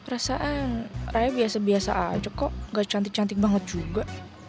rasaan raya biasa biasa aja kok gak cantik cantik banget juga